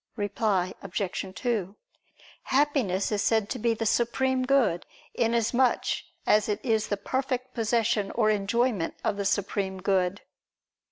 Reply Obj. 2: Happiness is said to be the supreme good, inasmuch as it is the perfect possession or enjoyment of the Supreme Good.